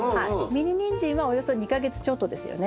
ミニニンジンはおよそ２か月ちょっとですよね。